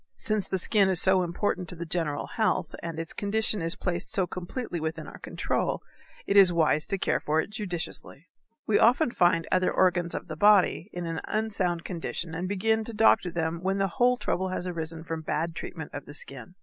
Since the skin is so important to the general health and its condition is placed so completely within our control, it is wise to care for it judiciously. We often find other organs of the body in an unsound condition and begin to doctor them when the whole trouble has arisen from bad treatment of the skin.